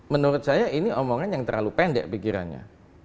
menurut saya ini omongan yang terlalu pendek pikirannya